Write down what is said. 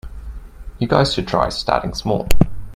You guys should try starting small.